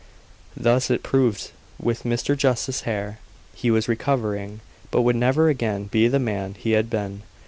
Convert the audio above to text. Thus it proved with Mr. Justice Hare. He was recovering, but would never again be the man he had been.